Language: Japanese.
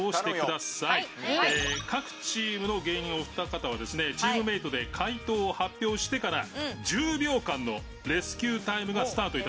各チームの芸人お二方はですねチームメイトで回答を発表してから１０秒間のレスキュータイムがスタートいたします。